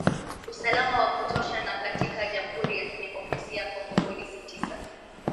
usalama wa kutosha na katika jamhuri ya kidemokrasia congo polisi tisa